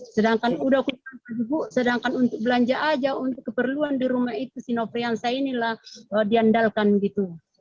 sedangkan sudah kutipan tadi bu sedangkan untuk belanja saja untuk keperluan di rumah itu si noviansa inilah diandalkan gitu